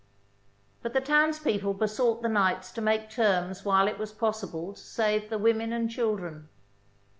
But the townspeople be sought the knights to make terms while it was pos sible to save the women and children.